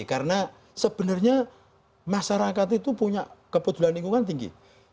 karena sebenarnya masyarakat itu punya kepercayaan lingkungan tinggi